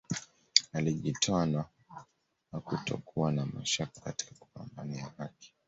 Alijitoa na hakutokuwa na mashaka katika kupambania haki